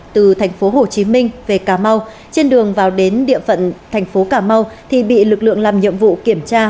từ tp hcm về cà mau trên đường vào đến địa phận tp ca mau thì bị lực lượng làm nhiệm vụ kiểm tra